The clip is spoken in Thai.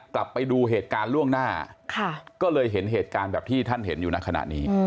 กลับไปดูเหตุการณ์ล่วงหน้าก็เลยเห็นเหตุการณ์แบบที่ท่านเห็นอยู่ในขณะนี้